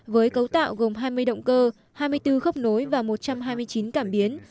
với cấu tạo gồm hai mươi động cơ hai mươi bốn khớp nối và một trăm hai mươi chín cảm biến